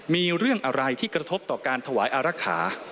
มีเรื่องอะไรที่กระทบต่อการถวายอารักษา